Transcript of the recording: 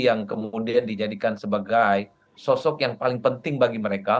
yang kemudian dijadikan sebagai sosok yang paling penting bagi mereka